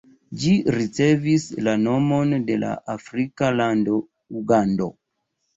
Ĝi ricevis la nomon de la afrika lando Ugando.